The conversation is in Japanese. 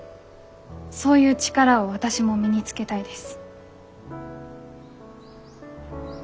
そういう力を私も身につけたいです。